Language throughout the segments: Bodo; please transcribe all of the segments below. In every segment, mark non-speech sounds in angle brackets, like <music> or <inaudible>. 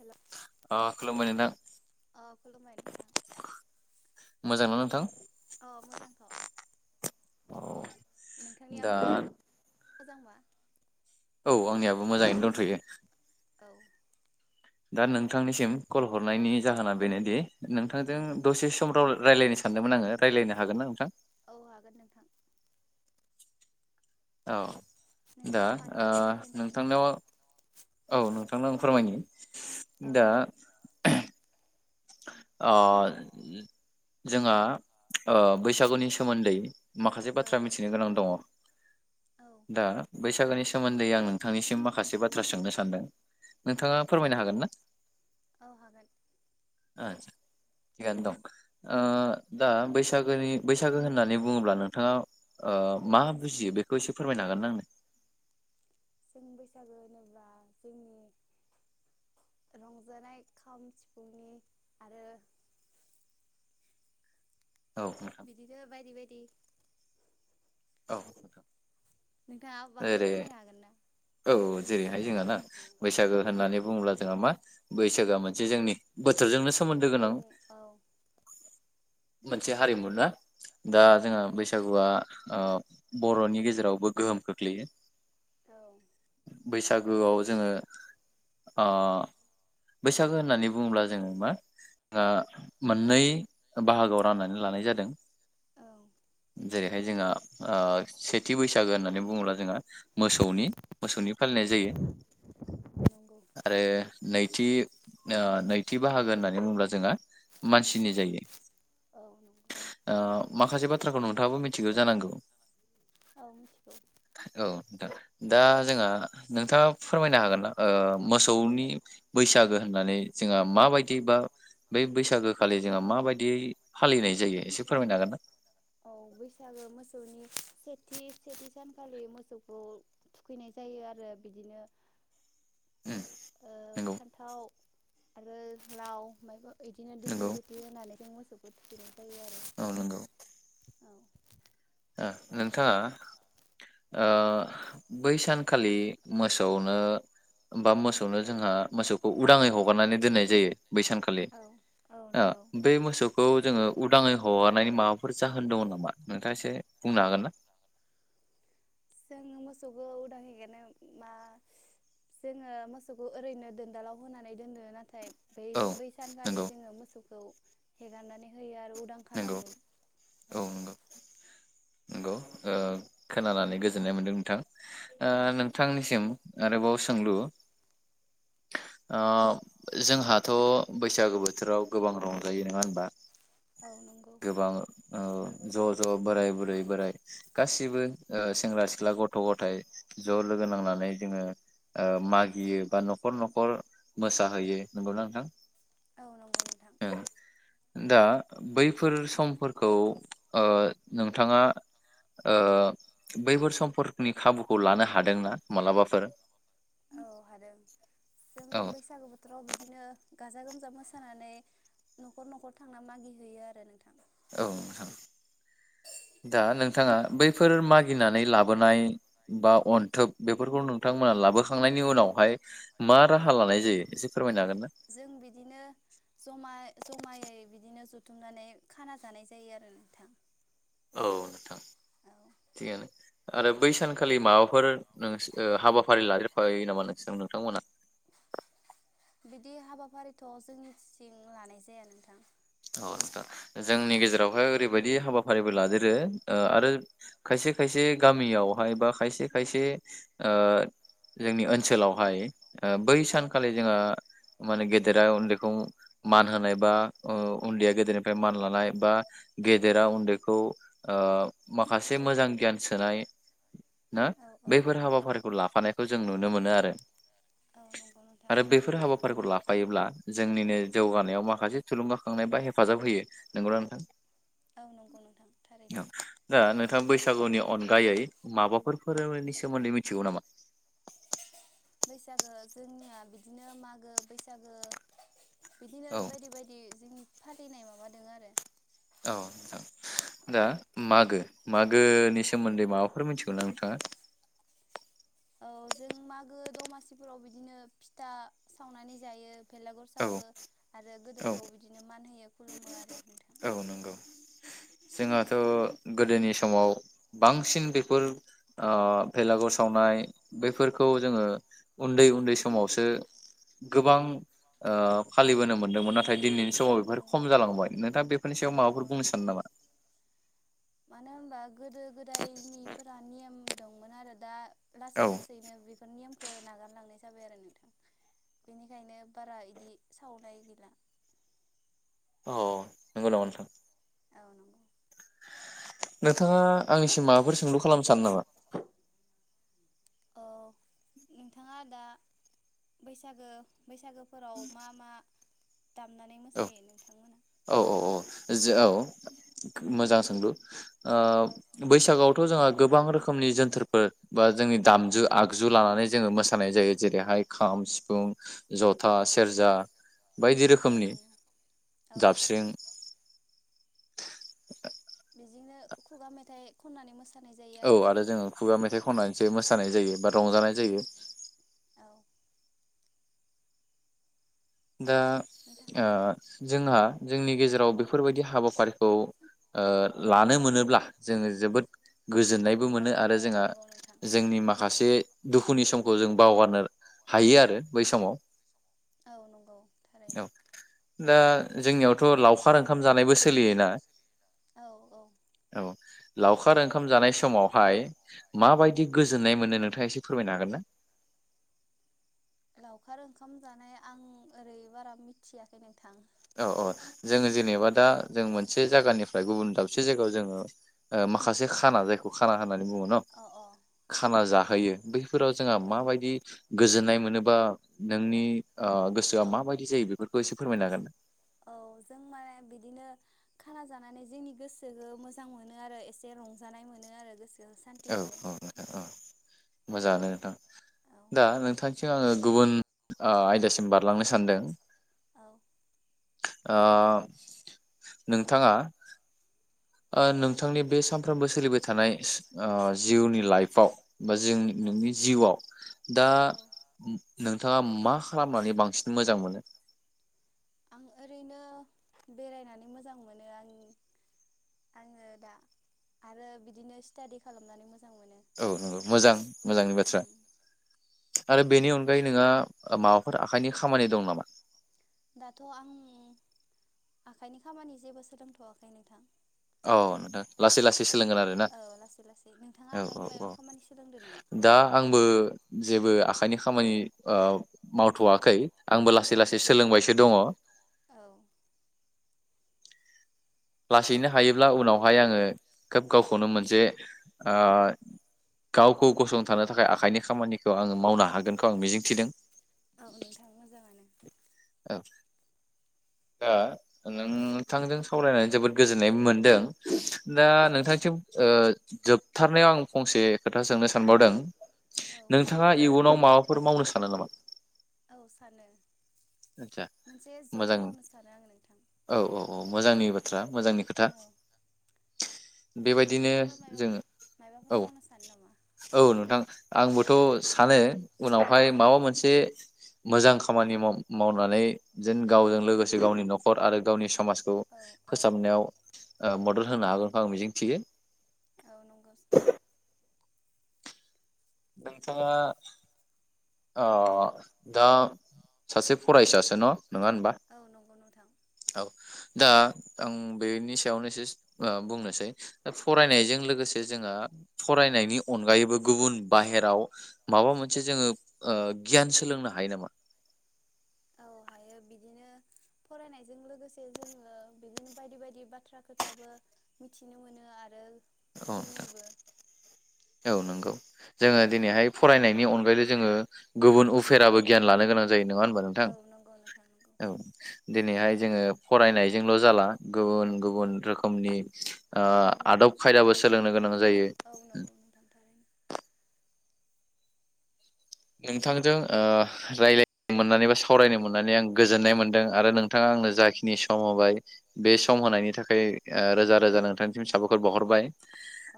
हेल' ओ खुलुमबाय नोंथां अ खुलुमबाय नोंथां मोजां नुनो थां। अ मोजांथ औ नोंथांनिया दा मो मोजांबा। औ आंनियाबो मोजाङैनो दंनथयो। औ दा नोंथांनिसिम कल हरनायनि जाहोना बेनोदि अ नोंथांजों दसे सम राव रायलायनो सानदोंमोन आंङो रायलायनो हागोन ना नोंथां? औ हागोन नोंथां। औ दा नोंथाङा मानि ओ सायाव रायज्लायनो सानदों नोंथांनाव औ नोंथांनो आं फोरमायनि। औ दा <unintelligible> अ जोंहा ओ बैसागुनि सोमोन्दै। माखासे औ बाथ्रा मिथिनो गोनां दङ। औ दा बैसागोनि सोमोन्दै आं नोंथांनिसिम माखासे बाथ्रा सोंनो सानदों। नोंथाङा औ फोरमायनो सोंजागोन हागोन ना? औ हागोन आदसा थिगानो दं दा बैसागोनि बैसागो होननानै बुङोब्ला नोंथाङा मा बुजियो बेखौ एसे फोरमायनो हागोनना आंनो? जों बैसागो होनोब्ला जोंनि रंजानाय खाम सिफुंनि आरो औ नोंथां बिदिनो बायदि बायदि औ नोंथाङा बाहाय जेरै फोरमायनो हागोन ना औ जेरैहाय जोंहा ना बैसागो होननानै बुङोब्ला जोंहा मा बैसागोआ मोनसे जोंनि बोथोरजोंनो अ सोमोन्दो गोनां जोंनि औ मोनसे हारिमु ना दा औ जोंहा जोंनि बैसागुआ ओ बर'नि गेजेरावबो गोहोम खोख्लैयो औ बैसागोआव जोङो ओ बैसागो होननानै बुङोब्ला जोङो मा आ मोननै बाहागोआव राननानै लानाय जादों औ जेरैहाय जोंहा ओ सेथि बैसागो होननानै बुं बुङोब्ला जोंहा मोसौनि मोसौनि फालिनाय जायो नंगौ आरो नै नैथि ओ नैथि बाहागो होननानै बुङोब्ला जोंङो मानसिनि जायो औ नंगौ आ माखासे बाथ्राखौ नोंथाङाबो मिथिगौ जानांगौ औ दा दा जोंहा नोंथाङा फोरमायनो हागोनना ओ मोसौनि बैसागो होननानै जोंहा माबायदि बा बे बैसागो खालि जोंहा माबायदियै फालिनाय जायो एसे फोरमायनो हागोन ना? औ बैसागो मोसौनि सेथि सेथि सानखालि मोसौखौ थुखैनाय जायो आरो बिदिनो उम ओ नंगौ फान्थाव आरो लाव ओमफाय ओ इदिनो दिग्लि नंगौ लिटि होननानै जों मोस सौखौ थुखैनाय जायो आरो औ नोंगौ औ नोंथाङा ओ बै सानखालि मोसौनो बा मोसौनो जोंहा मोसौखौ उदाङै हगारनानै दोननाय जायो बै सानखालि औ औ ओ नंगौ बै मोसौखौ जोङो उदाङै हगारनायनि माबाफोर जाहोन दङ नामा नोंथाङा एसे बुंनो हागोन ना? जोङो मोसौखौ उदाङै एगारनो मा जोङो मोसौखौ ओरैनो दोनदालाव होनानै दोनो नाथाय बै औ बै सानखालि नंगौ जोङो मोसौखौ हेगारनानै होयो आ रो उदां नंगौ खालामो औ नंगौ ओ खोनानानै गोजोननाय मोन्दों नोंथां ओ औ नोंथांनिसिम आरोबाव सोंलु ओ बैसागु बोथोराव गोबां रंजायो नङा होमबा? जोंहाथ बैसागो बोथोराव गोबां रंजायो नङा होनबा औ नंगौ गोबां ओ ज ज बोराय बुरै बोराइ गासिबो ओ सेंग्रा सिख्ला गथ गथाय ज लोगो नांनानै जोङो ओ मागियो बा नखर नखर मोसाहैयो नंगौना नोंथां? औ नं औ नोंथां ओं दा बैफोर समफोरखौ ओ नोंथाङा ओ बैफोर समफोरनि खाबुखौ लानो हादोंना मालाबाफोर? औ हादों जों औ बैसागु बोथोराव बिदिनो गाजा गोमजा मोसानानै नखर नखर थांना मागिहैयो आरो नोंथां औ नोंथां दा नोंथाङा बैफोर मागिनानै लाबोनाय बा अन्थोब बेफोरखौ नोंथांमोना लाबोखांनायनि उनावहाय मा राहा लानाय जायो एसे फोरमायनो हागोन ना जों बिदिनो जमा जमायै बिदिनो ज थुमनानै खाना जानाय जायो आरो नोंथां औ नोंथां औ थिगानो आरो बै सानखालि माबाफोर नोंसोर हाबाफारि लादेरफायो नामा नोंसोर नोंथांमोना? बिदि हाबाफारिथ जोंनिथिं लानाय जाया नोंथां औ नोंथां जोंनि औ गेजेरावहाय ओरैबायदि हाबा फारिबो लादेरो ओ आरो खायसे खायसे गामियावहाय बा खायसे खायसे ओ जोंनि ओनसोलावहाय ओ बै औ सानखालि जोंआ माने गेदेरा उन्दैखौ मान होनाय बा ओ उन्दैया गेदेरनिफ्राय मान लानाय बा गेदेरा उन्दैखौ ओ माखासे मोजां गियान सोनाय ना औ औ बैफोर नंगौ हाबाफारिखौ लाफानायखौ जों नुनो नुनो मोनो आरो औ नंगौ नोंथां आरो बेैफोर हाबाफारिखौ लाफायोब्ला जोंनिनो जौगानायाव माखासे थुलुंगाखांनाय बा हेफाजाब होयो नंगौना नोंथां? औ नंगौ नोंथां थारैनो दा नोंथां बैसागुनि अनगायै माबाफोर फोरोंनायनि सोमोन्दै मिथिगौ नामा? बैसागो जोंनिया बिदिनो मागो बैसागो बिदिनो औ बायदि बायदि जोंनि फालिनाय माबा दाङो आरो औ नोंथां दा मागो मागोनिस सोमोन्दै माबाफोर मिथिगौ ना नोंथाङा? औ जों मागो दमासिफोराव बिदिनो फिथा सावनानै जायो बेेलागुर औ सावो आरो औ गोदोरखौ बिदिनो मान होयो खुलुमो आरो नोंथां औ नंगौ जोंहाथ' गोदोनि समाव बांसिन बेफोर ओ बेलागुर सावनाय बैफोरखौ जोङो उन्दै उन्दै समावसो गोबां ओ फालिबोनो मोनदोंमोन नाथाय। दिनैनि औ समाव बेफोर नंगौ खम जालांबाय नोंथाङा बेफोरनि औ सायाव माबाफोर नंगौ बुंनो नोंथां सानो नामा? मानो होमबा। गोदो गोदायनिफोरा नेम। दंमोन आरो दा। औ लासै लासैनो बेफोर नेम। खो नागारलांनाय जाबाय आरो नोंथां बेनिखायनो बारा इदि सावनाय गैला। औ नोंगौ नामा नोंथां? औ <inaudible> नोंथाङा आंनिसिम माबाफोर सोंलु खालामनो सानो नामा। औ नोंथाङा दा बैसागो बैसागोफोराव मा मा दामनानै औ मोसायो नोंथां <unintelligible> औ औ औ जो औ मोजां सोंलु ओ औ बैसागुआवथ' जोंहा गोबां रोखोमनि जोनथोरफोर बा जोंनि दामजु आगजु लानानै जोङो मोसानाय जायो जेरैहाय खाम सिफुं जथा सेरजा। बायदि औ रोखोमनि। नंगौ औ जाबस्रिं। <inaudible> बिदिनो खुगा मेथाइ खननानै मोसा औ आरो जोङो खुगा मेथाइ खननानैसो मोसानाय जायो बा रंजानाय जायो। औ दा नोंथां ओ जोंहा जोंनि गेजेराव बेफोरबायदि हाबाफारिखौ ओ लानो मोन नोब्ला जोङो जोबोद गोजोननायबो औ मोनो आरो औ जोंहा नंगौ नोंथां जोंनि माखासे। दुखुनि समखौ जों बावगारनो हायो आरो बै समाव। औ नंगौ थारैनो औ दा। जोंनियावथ' लाव <unintelligible> ओंखाम जानायबो सोलियोना औ औ औ। लावखार ओं खाम जानाय समावहाय माबायदि गोजोननाय मोनो नोंथाङा एसे फोरमायनो हागोन ना। लावखार ओंखाम जानाय आं ओरै बारा मिथियाखै नोंथां। औ औ जोङो जेनेबा दा जों मोनसे जायगानिफ्राय गुबुन दाबसे जायगायाव जोङो ओ माखासे खाना जायखौ खाना होनानै। बुङो न अ अ खाना जा। थायो बै। फोराव जोंहा औ माबायदि गोजोननाय। मोनोबा नोंनि ओ गोसोआ माबायदि जायो बेफोरखौ एसे फोरमायनो हागोन। औ जों माने बिदिनो खाना जानानै जोंनि गोसोखौ मोजां मोनो आरो एसे रंजानाय मोनो आरो गोसो। ओ सान्थि मोनो। मोजांआनो नोंथां औ दा नोंथांथिं आङो गुबुन ओ आयदासिम बारलांनो सानदों। औ ओ नोंथाङा ओ औ नोंथांनि बे स सानफ्रोमबो सोलिबाय थानाय जिउनि लाइफआव बा जों औ नोंनि जिउआव दा औ नोंथाङा मा खालामनानै बांसिन मोजां मोनो आं ओरैनो बेरायनानै मोजां मोनो आं आङो दा आरो बिदिनो स्टादि खालामनानै मोजां मोनो औ नंगौ मोजां मोजांनि बाथ्रा आरो बेनि अनगायै नोंहा माबाफोर आखाइनि खामानि दं नामा दाथ' आं आखाइनि खामानि जेबो सोलोंथ'वाखै नोंथां औ नोंथां लासै लासै सोलोंगोन आरोना औ लासै लासै नोंथाङा औ औ आखाइनि मायबा औ खामानि सोलोंदो नामा दा आंबो जेबो आ आखायनि खामानि मावथ'वाखै आंबो लासै औ लासै सोलोंबायसो दङ औ लासैनो हायोब्ला उनावहाय आङो खोब गावखौनो मोनसे गावखौ गसंथानो थाखाय आखाइनि खामानिखौ आङो मावनो हागोनखौ आं मिजिंथिदों औ नोंथां मोजाङानो औ दा नोंथांजों सावरायनानै जोबोद गोजोननाय मोनदों दा औ नोंथांसिम जोबथारनायाव आं फंसे खोथा सोंनो सानबावदों औ औ नोंथाङा इयुनाव माबाफोर मावनो सानो नामा औ सानो आदसा मोनसे जब मोजां मावनो सानो आङो नोंथां औ औ औ मोजांनि औ बाथ्रा मोजांनि खोथा औ बेबायदिनो नोंथाङाबो मायबा जोङो मायबाफोर औ मावनो सानो नामा औ नोंथां आंबोथ' सानो उनावहाय औ माबा मोनसे मोजां खामानि माव मावनानै जेन गावजों लोगोसे गावनि न'खर आरो गावनि समाजखौ औ औ नंगौ फोसाबनायाव मदद होनो हागोनखौ आं मिजिं थियो औ नंगौ नोंथाङा दा सासे फरायसा न' नङा होनबा औ नंगौ नोंथां औ दा आं बेनि सायावनो एससे बुंनोसै फरायनायजों लोगोसे जोंहा फरायनायनि अनगायैबो गुबुन बाहेराव माबा मोनसे जोङो गियान सोलोंनो हायो नामा औ हायो बिदिनो फरायनायजों लोगोसे जोङो बिदिनो बायदि बायदि बाथ्रा खोथाबो मिथिनो मोनो आरो औ नोंथां रोङोबो औ नंगौ जोङो औ दिनैहाय फरायनायनि अनगायै जोङो गुबुन उफेराबो गियान लानो गोनां <unintelligible> नङा होनबा नोंथां औ नंगौ नोंथां नंगौ औ दिनैहाय जोङो फरायनायजोंल' जाला गुबुन गुबुन रोखोमनि ओ गुबुन आदब गुबुन खायदाबो आयदाफोर सोलोंनो गोनां औ जायो। औ नंगौ नोंथां थारैनो नोंथांजों ओ रायज्लायनो मोननानै बा सावरायनो मोननानै आं गोजोननाय मोनदों आरो नोंथाङा आंनो जाखिनि सम होबाय बे सम होनायनि थाखाय ओ रोजा रोजा नोंथांनिसिम साबायखर बावहरबाय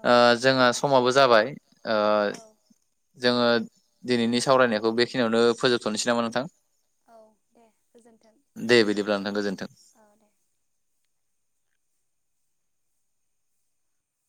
औ नोंथां जोंहा समाबो जाबाय ओ औ जोङो दिनैनि सावरायनायखौ बेखिनियावनो फोजोबथ'नोसै नामा नोंथां? औ दे गोजोन्थों <inaudible> दे बिदिब्लाब्ला नोंथां गोजोनथों औ दे